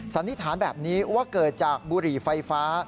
สันนิษฐานแบบนี้ว่าเกิดจากบุหรี่ไฟฟ้า